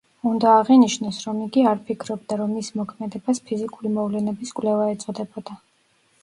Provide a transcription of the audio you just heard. უნდა აღინიშნოს, რომ იგი არ ფიქრობდა, რო მის მოქმედებას ფიზიკური მოვლენების კვლევა ეწოდებოდა.